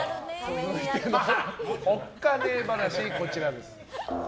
続いてのおっカネ話こちらです。